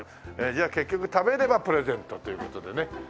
じゃあ結局食べればプレゼントという事でね。